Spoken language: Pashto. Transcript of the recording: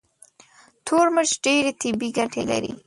تور مرچ ډېرې طبي ګټې لري.